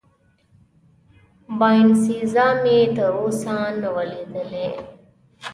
باینسیزا مې تراوسه نه وه لیدلې.